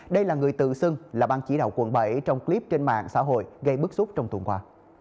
đây là người tự xưng là bang chỉ đạo quận bảy trong clip trên mạng xã hội gây bức xúc trong tuần qua